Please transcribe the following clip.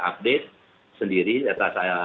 update sendiri data saya